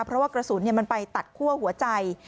เพราะว่ากระสุนมันไปตัดคั่วหัวใจ